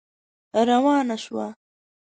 روانه شوه.